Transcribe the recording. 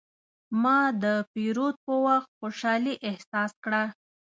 ما د پیرود په وخت خوشحالي احساس کړه.